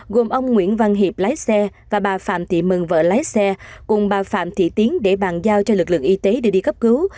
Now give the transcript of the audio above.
gồm ông nguyễn văn hiệp lái xe và bà phạm thị mừng vợ lái xe cùng bà phạm thị tiến để bàn giao cho lực lượng y tế đưa đi cấp cứu